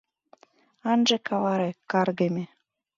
— Ынже каваре, каргыме!